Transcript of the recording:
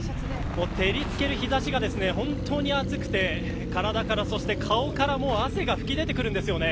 照り付ける日差しが本当に暑くて体から、そして顔からも汗が噴き出てくるんですよね。